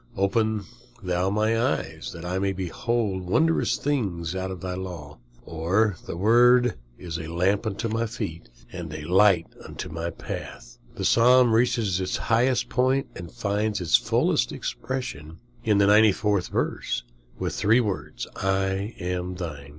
"Open thou mine eyes, that I may behold wondrous things out of thy law." "Thy word is a lamp unto my feet, and a light unto my path." The Psalm reaches its highest point, and finds its fullest expression in the 94th verse, three words, "I am thine."